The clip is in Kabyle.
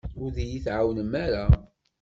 Ur d-iyi-tɛawnem ara.